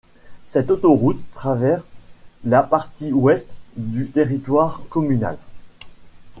Cette autoroute travers la partie ouest du territoire communal.